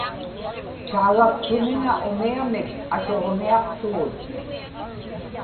taagaktumiŋa umiamik atuġñiaqtugut